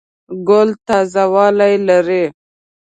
ګل تازه والی لري.